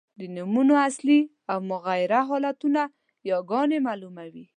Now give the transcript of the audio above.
د نومونو اصلي او مغیره حالتونه یاګاني مالوموي.